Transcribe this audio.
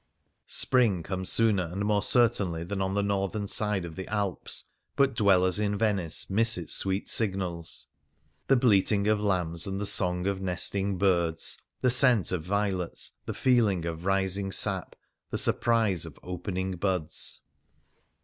Spring comes sooner and more certainly than on the northern side of the Alps; but dwellers in Venice miss its sweet signals — the bleating of lambs and the song of nesting birds, the scent of violets, the feeling of rising sap, the surprise of opening buds.